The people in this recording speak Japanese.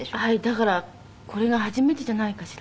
だからこれが初めてじゃないかしら。